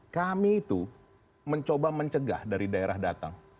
kami itu mencoba mencegah dari daerah datang